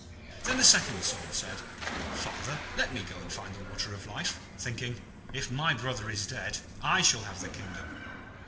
Then the second son said, 'Father, let me go and find the Water of Life,' thinking, 'if my brother is dead I shall have the kingdom.'